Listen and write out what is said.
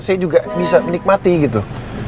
saya juga bisa menikmati gitu